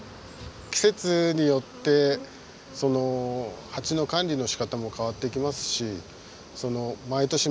季節によってハチの管理のしかたも変わってきますし毎年